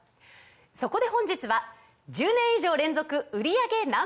そこで本日は１０年以上連続売り上げＮｏ．１